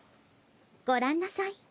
ご覧なさい。